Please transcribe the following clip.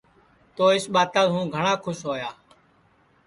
تو اِس ٻاتاس ہوں گھٹؔا کُھس ہویا